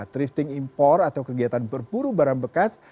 thrifting impor atau kegiatan berpuru barang bekas